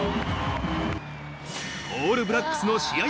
オールブラックスの試合